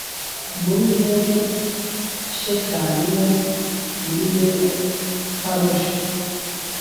Muri bene Shekaniya muri bene Paroshi